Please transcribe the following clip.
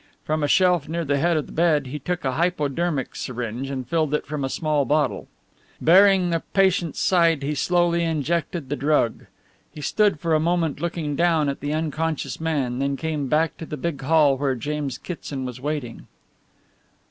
From a shelf near the head of the bed he took a hypodermic syringe and filled it from a small bottle. Baring the patient's side he slowly injected the drug. He stood for a moment looking down at the unconscious man, then came back to the big hall where James Kitson was waiting.